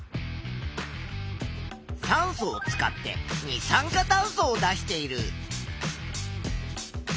酸素を使って二酸化炭素を出している。